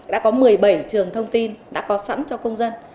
đã có một mươi bảy trường thông tin đã có sẵn cho công dân